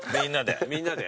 みんなで。